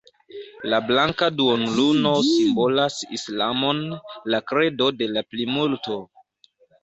La blanka duonluno simbolas islamon, la kredo de la plimulto.